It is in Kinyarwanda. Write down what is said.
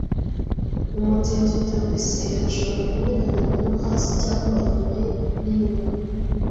Mu mutingito, isi irashobora kunyeganyega no hasi, cyangwa inyuma n'inyuma.